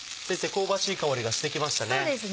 香ばしい香りがしてきましたね。